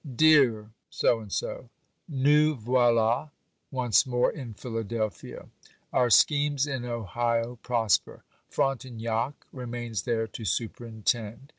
'Dear——. Nous voilà once more in Philadelphia. Our schemes in Ohio prosper. Frontignac remains there to superintend.